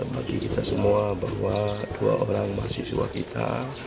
bagi kita semua bahwa dua orang mahasiswa kita